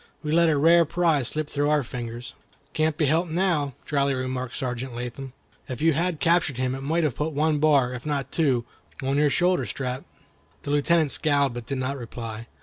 We let a rare prize slip through our fingers." "Can't be helped now," dryly remarked Sergeant Latham. "If you had captured him it might have put one bar, if not two, on your shoulder strap." The Lieutenant scowled, but did not reply.